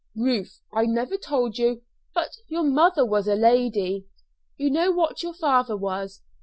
"Ruth, I never told you, but your mother was a lady. You know what your father was.